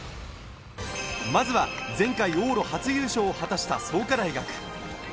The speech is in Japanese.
まずは前回、往路初優勝を果たした創価大学。